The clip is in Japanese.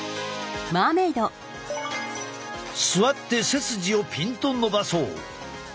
座って背筋をピンと伸ばそう。